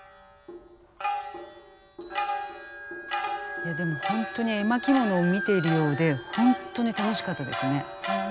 いやでもホントに絵巻物を見ているようでホントに楽しかったですね。